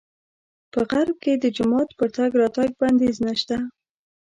په غرب کې د جومات پر تګ راتګ بندیز نه شته.